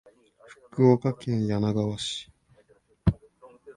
福岡県柳川市